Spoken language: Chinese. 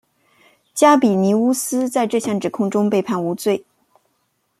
加比尼乌斯在这项指控中被判无罪。